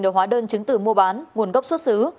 được hóa đơn chứng từ mua bán nguồn cốc xuất xứ